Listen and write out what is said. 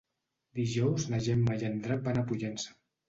Dijous na Gemma i en Drac van a Pollença.